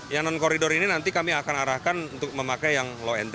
yang non koridor ini nanti kami akan arahkan untuk memakai yang low enty